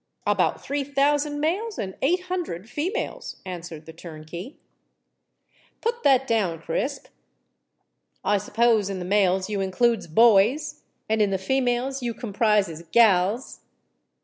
"About three thousand males and eight hundred females," answered the turnkey. "Put that down, Crisp. I suppose in the males you includes boys, and in the females you comprises gals?"